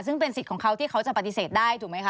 ซึ่งเป็นสิทธิ์ของเขาที่เขาจะปฏิเสธได้ถูกไหมคะ